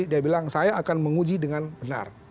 dia bilang saya akan menguji dengan benar